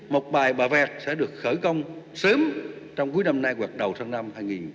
một bài bà vẹt sẽ được khởi công sớm trong cuối năm nay hoặc đầu tháng năm hai nghìn hai mươi